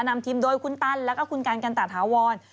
นำทีมโดยคุณตันแล้วก็คุณกันกันตะถาวร